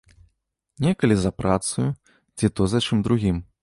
Некалі за працаю ці то за чым другім.